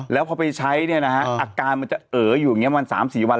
แล้วพอไปใช้เนี่ยนะฮะอาการมันจะเอ๋ออยู่อย่างนี้ประมาณ๓๔วัน